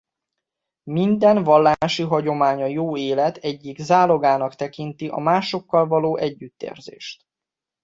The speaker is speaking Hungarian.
Minden vallási hagyomány a jó élet egyik zálogának tekinti a másokkal való együttérzést.